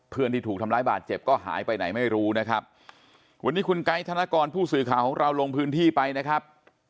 ที่ถูกทำร้ายบาดเจ็บก็หายไปไหนไม่รู้นะครับวันนี้คุณไกด์ธนกรผู้สื่อข่าวของเราลงพื้นที่ไปนะครับ